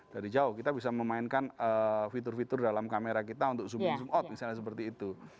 dari jauh kita bisa memainkan fitur fitur dalam kamera kita untuk zoom zoom out misalnya seperti itu